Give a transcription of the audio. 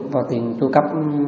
và tiền trung cấp